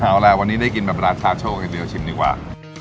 เอาล่ะวันนี้ได้กินแบบราคาโชคอย่างเดียวชิมดีกว่า